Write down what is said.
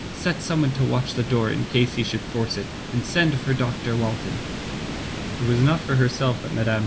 Set someone to watch the door in case he should force it, and send for Dr. Walton.*' It was not for herself that Mme.